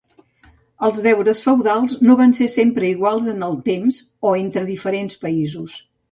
Els Deures feudals no van ser sempre iguals en el temps o entre diferents països.